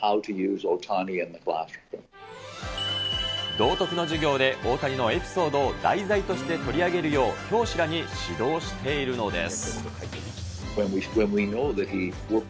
道徳の授業で大谷のエピソードを題材として取り上げるよう、教師らに指導しているのです。